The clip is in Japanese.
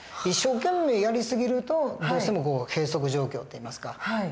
一生懸命やり過ぎるとどうしても閉塞状況っていいますか。